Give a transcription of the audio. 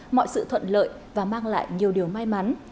mọi sự thuận lợi và mang lại nhiều điều may mắn